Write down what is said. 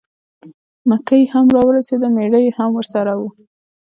مکۍ هم را ورسېده مېړه یې هم ورسره و.